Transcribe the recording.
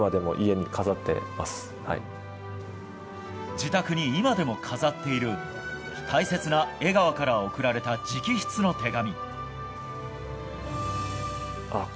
自宅に今でも飾っている大切な江川から贈られた直筆の手紙。